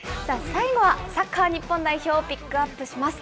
最後は、サッカー日本代表をピックアップします。